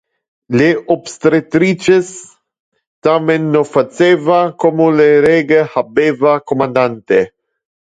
Le obstetrices, tamen non faceva como le rege habeva commandate.